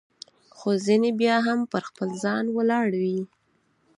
خو ځیني بیا هم پر خپل ځای ولاړ وي.